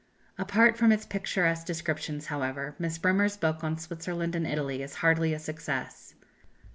" Apart from its picturesque descriptions, however, Miss Bremer's book on Switzerland and Italy is hardly a success.